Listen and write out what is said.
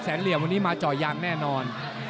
เหลี่ยมวันนี้มาเจาะยางแน่นอน